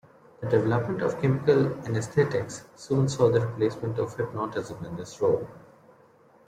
The development of chemical anesthetics soon saw the replacement of hypnotism in this role.